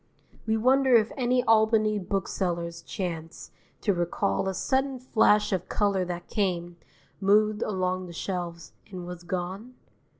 We wonder if any Albany booksellers chance to recall a sudden flash of colour that came, moved along the shelves, and was gone?